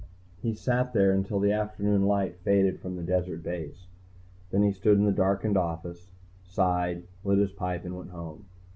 He sat there until the afternoon light faded from the desert base. Then he stood in the darkened office, sighed, lit his pipe and went home.